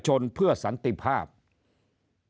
ชื่อดรสมิทธิรักษ์จันรักครับ